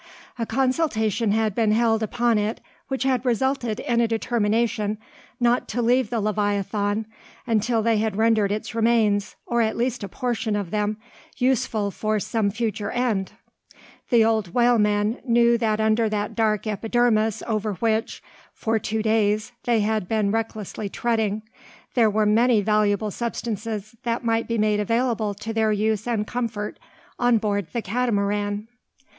A consultation had been held upon it, which had resulted in a determination not to leave the leviathan until they had rendered its remains, or at least a portion of them, useful for some future end. The old whaleman knew that under that dark epidermis over which, for two days, they had been recklessly treading, there were many valuable substances that might be made available to their use and comfort, on board the Catamaran.